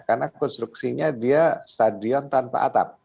karena konstruksinya dia stadion tanpa atap